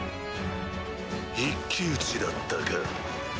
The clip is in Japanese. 一騎打ちだったか？